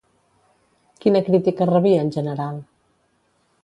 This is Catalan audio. Quina crítica rebia en general?